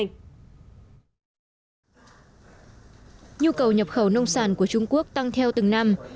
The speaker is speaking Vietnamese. nhu cầu nhập khẩu nông sản của trung quốc tăng theo từng năm